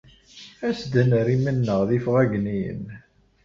As-d ad nerr iman-nneɣ d ifɣagniyen.